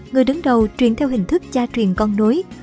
người đứng đầu truyền theo hình thức cha truyền con nối